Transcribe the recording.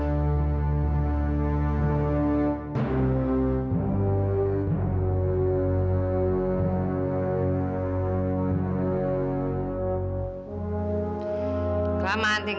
kalau ga penting aja remained wagond